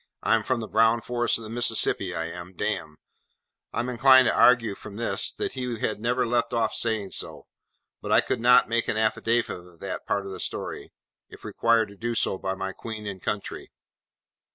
I'm from the brown forests of the Mississippi, I am, damme!' I am inclined to argue from this, that he had never left off saying so; but I could not make an affidavit of that part of the story, if required to do so by my Queen and Country.